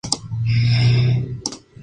Su caparazón es casi circular.